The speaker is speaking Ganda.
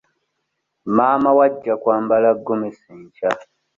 Maama we ajja kwambala gomesi enkya.